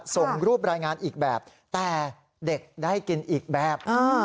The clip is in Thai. ส่งรูปรายงานอีกแบบแต่เด็กได้กินอีกแบบ